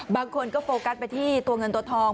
บางคนก็โฟกัสไปที่ตัวเงินตัวทอง